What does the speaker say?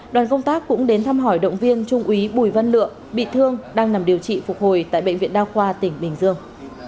đoàn công tác cũng đến thăm hỏi động viên trung úy bùi văn lượng bị thương đang nằm điều trị phục hồi tại bệnh viện đa khoa tỉnh bình dương